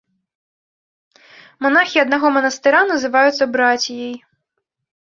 Манахі аднаго манастыра называюцца браціяй.